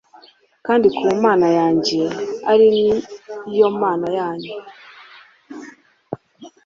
kandi ku Mana yanjye ari yo Mana yanyu."